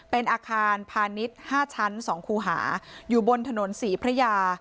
เป็นอาคารพาณิชย์๕ชั้น๒คูหาอยู่บนถนนศรีพระยา